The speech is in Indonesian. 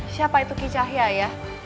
siapa itu kicah ya ayah